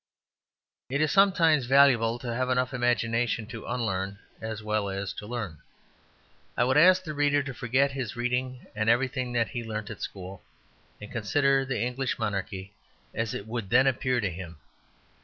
It is sometimes valuable to have enough imagination to unlearn as well as to learn. I would ask the reader to forget his reading and everything that he learnt at school, and consider the English monarchy as it would then appear to him.